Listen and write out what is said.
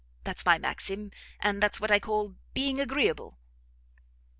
That's my maxim, and that's what I call being agreeable."